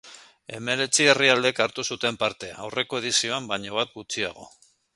Hemeretzi herrialdek hartu zuten parte, aurreko edizioan baino bat gutxiago.